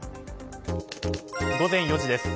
午前４時です。